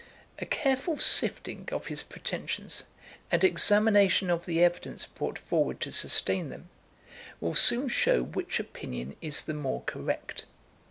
A careful sifting of his pretensions, and examination of the evidence brought forward to sustain them, will soon shew which opinion is the more correct.